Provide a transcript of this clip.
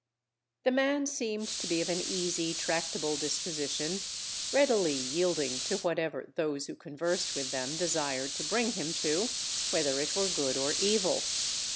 The man seemed to be of an easy, tractable disposition, readily yielding to whatever those who conversed with them desired to bring him to, whether it were good or evil.